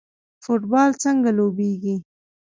فوټبال څنګه لوبیږي؟